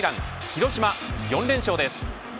広島４連勝です。